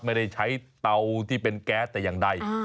ไม่ได้ใช้เตาที่เป็นแก๊สแต่อย่างใด